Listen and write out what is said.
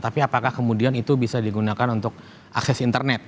tapi apakah kemudian itu bisa digunakan untuk akses internet